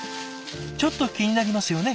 ちょっと気になりますよね。